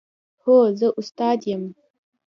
هو، زه استاد یم